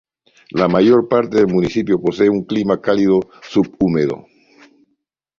La mayor parte del municipio posee un clima cálido subhúmedo.